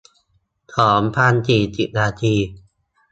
สองพันสี่สิบ นาที